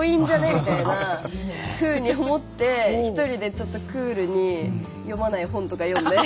みたいなふうに思って１人でちょっとクールに読まない本とか読んで。